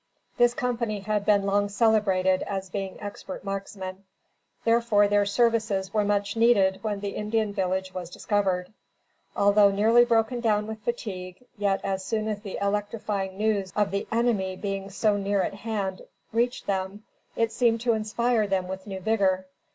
This company had been long celebrated as being expert marksmen, therefore, their services were much needed when the Indian village was discovered. Although nearly broken down with fatigue, yet as soon as the electrifying news of the enemy being so near at hand reached them, it seemed to inspire them with new vigor.